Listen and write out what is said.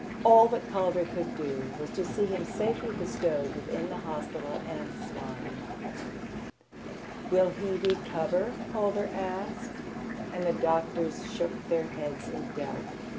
All that Calder could do was to see him safely bestowed within the hospital at Assouan. "Will he recover?" Calder asked, and the doctors shook their heads in doubt.